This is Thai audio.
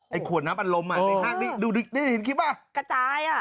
ไอ้ขวนน้ำปันลมอ่ะเออดูนี่นี่หินคลิปป่ะกระจายอ่ะ